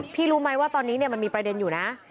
รู้ไหมว่าตอนนี้มันมีประเด็นอยู่นะ